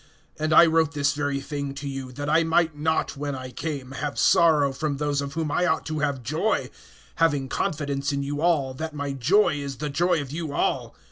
(3)And I wrote this very thing to you, that I might not, when I came, have sorrow from those of whom I ought to have joy; having confidence in you all, that my joy is the joy of you all.